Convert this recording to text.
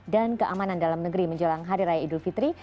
dan keamanan dalam negeri menjelang hari raya idul fitri